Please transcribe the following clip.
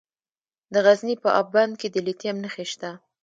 د غزني په اب بند کې د لیتیم نښې شته.